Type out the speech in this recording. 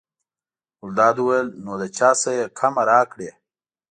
ګلداد وویل: نو له چا نه یې کمه راکړې.